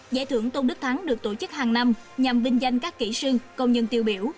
giải thưởng tôn đức thắng được tổ chức hàng năm nhằm vinh danh các kỹ sư công nhân tiêu biểu